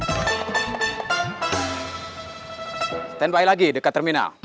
stand by lagi dekat terminal